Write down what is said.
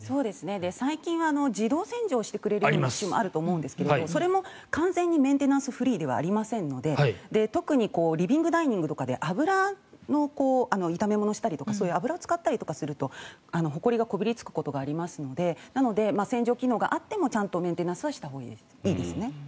最近は自動洗浄してくれるものもあるんですがそれも完全にメンテナンスフリーではありませんので特にリビング、ダイニングとかで油の炒め物とかで油を使ったりするとほこりがこびりつくことがありますのでなので、洗浄機能があってもちゃんとメンテナンスはしたほうがいいですね。